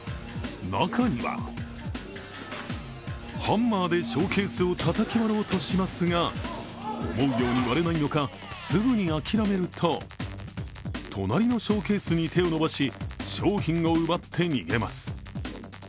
中にはハンマーでショーケースをたたき割ろうとしますが、思うように割れないのか、すぐに諦めると隣のショーケースに手を伸ばし、商品を奪って逃げます。